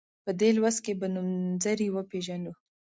په دې لوست کې به نومځري وپيژنو.